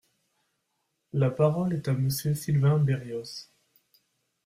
La parole est à Monsieur Sylvain Berrios.